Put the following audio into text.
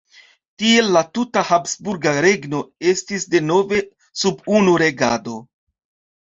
Tiel la tuta habsburga regno estis denove sub unu regado.